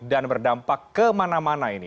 dan berdampak kemana mana ini